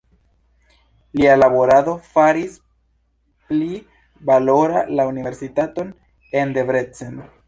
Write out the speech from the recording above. Lia laborado faris pli valora la universitaton en Debrecen.